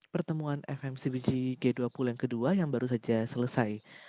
pertemuan fmcbg g dua puluh yang kedua yang baru saja selesai